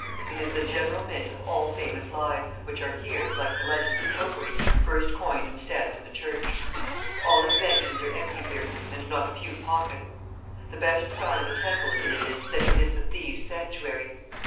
It is the general mint of all famous lies, which are here, like the legends of popery, first coined and stamped in the church. All inventions are emptied here, and not a few pockets. The best sign of a temple in it is, that it is the thieves sanctuary....